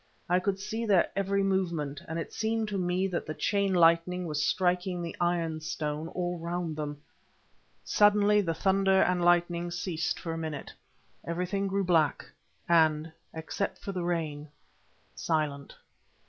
I could see their every movement, and it seemed to me that the chain lightning was striking the iron stone all round them. Suddenly the thunder and lightning ceased for a minute, everything grew black, and, except for the rain, silent.